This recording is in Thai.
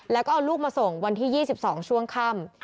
แล้วก็เอาลูกมาส่งวันที่๒๒ช่วงค่ำ